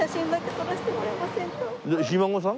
ひ孫さん？